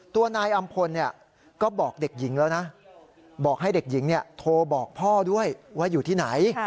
ตัวนายอำพลก็บอกเด็กหญิงแล้วนะบอกให้เด็กหญิงโทรบอกพ่อด้วยว่าอยู่ที่ไหน